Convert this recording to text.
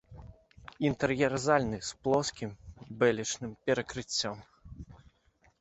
Інтэр'ер зальны з плоскім бэлечным перакрыццем.